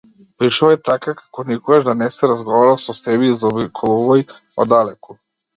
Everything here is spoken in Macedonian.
Пишувај така, како никогаш да не си разговарал со себе и заобиколувај оддалеку.